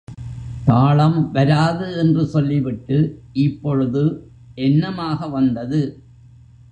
தாளம் வராது என்று சொல்லிவிட்டு, இப்பொழுது, என்னமாக வந்தது?